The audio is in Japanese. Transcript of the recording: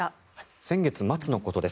先月末のことです。